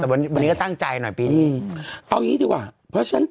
แต่วันนี้ก็ตั้งใจหน่อยปีนี้เอางี้ดีกว่าเพราะฉะนั้น